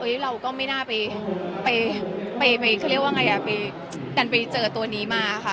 เอ๊ยเราก็ไม่น่าไปกันไปเจอตัวนี้มาค่ะ